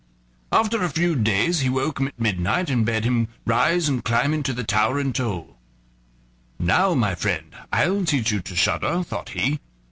After a few days he woke him at midnight, and bade him rise and climb into the tower and toll. "Now, my friend, I'll teach you to shudder," thought he.